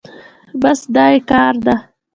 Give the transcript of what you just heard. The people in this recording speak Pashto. بس دا يې کار ده.